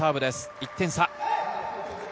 １点差。